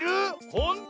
ほんと⁉